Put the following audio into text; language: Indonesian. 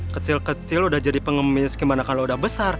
kecil kecil udah jadi pengemis gimana kalau udah besar